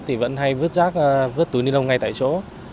thì vẫn hay vứt rác vứt túi ni lông ngay tại chỗ